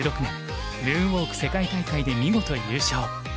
２０１６年ムーンウォーク世界大会で見事優勝。